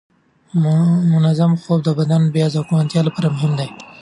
منظم خوب د بدن د بیا ځواکمنتیا لپاره مهم دی.